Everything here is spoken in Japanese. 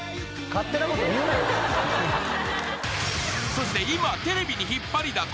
［そして今テレビに引っ張りだこ］